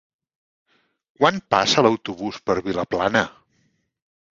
Quan passa l'autobús per Vilaplana?